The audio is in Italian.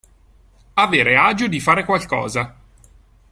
Avere agio di fare qualcosa.